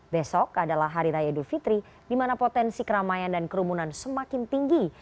besok adalah hari raya idul fitri di mana potensi keramaian dan kerumunan semakin tinggi